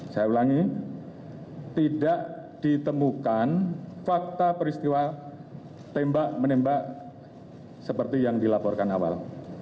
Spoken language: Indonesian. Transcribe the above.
saya ulangi tidak ditemukan fakta peristiwa tembak menembak seperti yang dilaporkan awal